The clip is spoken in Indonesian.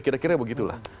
kira kira begitu lah